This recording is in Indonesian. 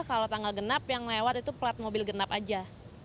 kalau tanggal genap yang lewat itu plat mobil genap aja